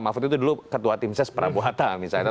mahfud itu dulu ketua tim ses prabowo hatta